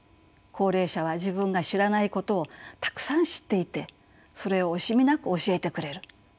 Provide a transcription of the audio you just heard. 高齢者は自分が知らないことをたくさん知っていてそれを惜しみなく教えてくれる。